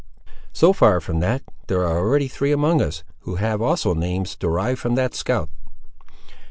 "So far from that, there are already three among us, who have also names derived from that scout."